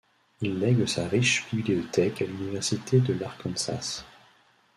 Il lègue sa riche bibliothèque à l’université de l’Arkansas.